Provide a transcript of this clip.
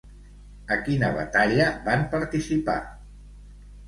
A quina batalla van participar?